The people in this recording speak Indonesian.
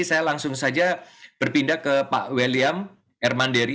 saya langsung saja berpindah ke pak william hermanderi